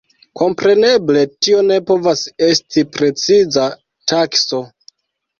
Kompreneble tio ne povas esti preciza takso.